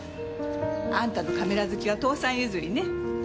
あんたのカメラ好きは父さん譲りね。